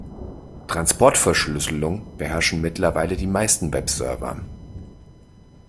Transportverschlüsselung beherrschen mittlerweile die meisten Webserver.